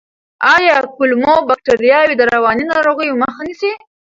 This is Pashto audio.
آیا کولمو بکتریاوې د رواني ناروغیو مخه نیسي؟